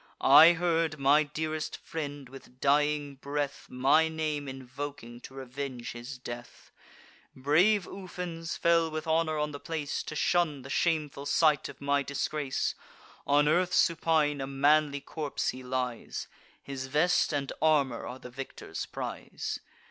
I heard my dearest friend, with dying breath, My name invoking to revenge his death. Brave Ufens fell with honour on the place, To shun the shameful sight of my disgrace. On earth supine, a manly corpse he lies; His vest and armour are the victor's prize.